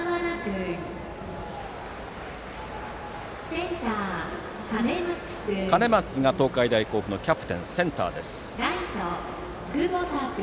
センターの兼松が東海大甲府のキャプテンです。